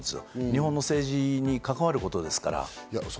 日本の政治に関わることですから。